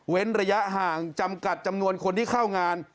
ระยะห่างจำกัดจำนวนคนที่เข้างาน